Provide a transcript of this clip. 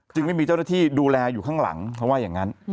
ไม่มีเจ้าหน้าที่ดูแลอยู่ข้างหลังเขาว่าอย่างนั้น